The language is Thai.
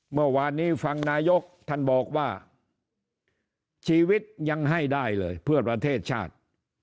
เมื่อวานนี้ฟังนายกท่านบอกว่าชีวิตยังให้ได้เลยเพื่อประเทศชาติ